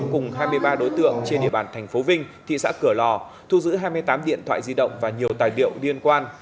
cùng hai mươi ba đối tượng trên địa bàn thành phố vinh thị xã cửa lò thu giữ hai mươi tám điện thoại di động và nhiều tài liệu liên quan